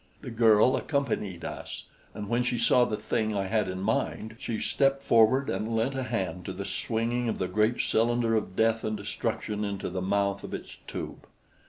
The girl accompanied us, and when she saw the thing I had in mind, she stepped forward and lent a hand to the swinging of the great cylinder of death and destruction into the mouth of its tube.